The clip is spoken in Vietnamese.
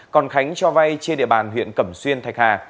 còn khánh cho vay trên địa bàn huyện cẩm xuyên thạch hà